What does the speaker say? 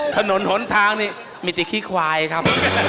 ถนนหนทางนี่มีแต่ขี้ควายครับ